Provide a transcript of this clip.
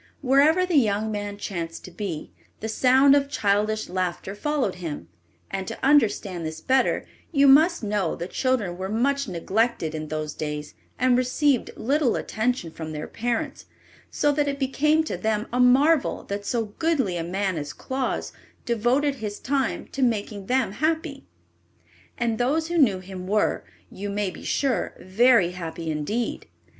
Wherever the young man chanced to be, the sound of childish laughter followed him; and to understand this better you must know that children were much neglected in those days and received little attention from their parents, so that it became to them a marvel that so goodly a man as Claus devoted his time to making them happy. And those who knew him were, you may be sure, very happy indeed.